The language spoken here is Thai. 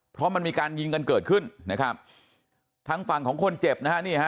เพราะมันมีการยิงกันเกิดขึ้นนะครับทางฝั่งของคนเจ็บนะฮะนี่ฮะ